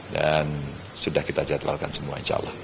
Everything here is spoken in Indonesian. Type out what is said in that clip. dan sudah kita jadwalkan semua insya allah